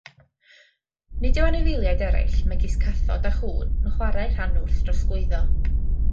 Nid yw anifeiliaid eraill, megis cathod a chŵn, yn chwarae rhan wrth drosglwyddo.